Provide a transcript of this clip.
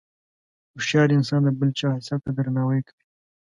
هوښیار انسان د بل چا حیثیت ته درناوی کوي.